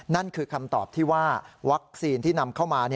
นั่นคือคำตอบที่ว่าวัคซีนที่นำเข้ามา